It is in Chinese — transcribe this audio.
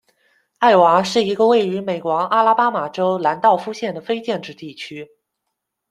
艾娃是一个位于美国阿拉巴马州兰道夫县的非建制地区。